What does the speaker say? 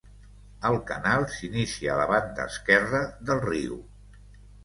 El canal s'inicia a la banda esquerra del riu.